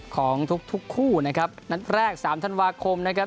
ของทุกคู่นะครับนัดแรกสามธันวาคมนะครับ